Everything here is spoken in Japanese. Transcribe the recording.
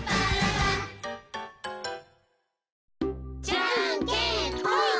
じゃんけんぽん！